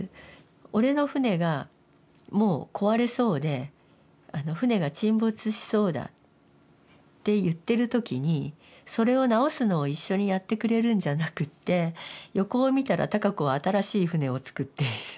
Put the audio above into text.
俺の船がもう壊れそうであの船が沈没しそうだって言ってる時にそれを直すのを一緒にやってくれるんじゃなくって横を見たら孝子は新しい船を造っている。